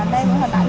đây là hình ảnh